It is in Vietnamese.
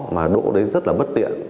mà đỗ đấy rất là bất tiện